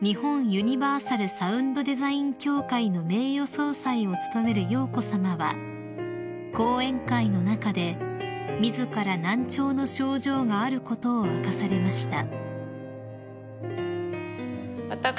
ユニバーサル・サウンドデザイン協会の名誉総裁を務める瑶子さまは講演会の中で自ら難聴の症状があることを明かされました］